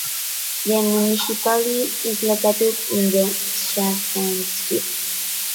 The municipality is located in the Schaffhausen district.